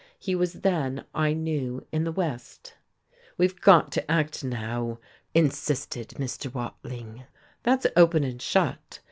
He was then, I knew, in the West. "We've got to act now," insisted Mr. Watling. "That's open and shut.